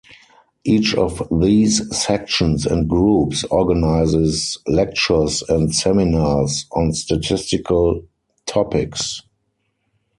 Each of these sections and groups organises lectures and seminars on statistical topics.